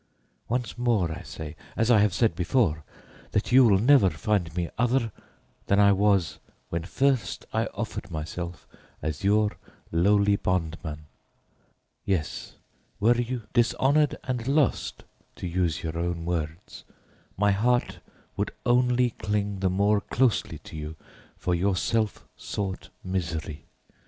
Once more I say, as I have said before, that you will never find me other than I was when first I offered myself as your lowly bondman. Yes, were you dishonored and lost, to use your own words, my heart would only cling the more closely to you for your self sought misery.